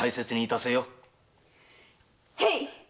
へい！